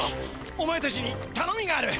お前たちにたのみがある！